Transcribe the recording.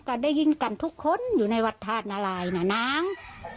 ก็ได้ยินกันทุกคนอยู่ในวัดธาตุนารายนะนาง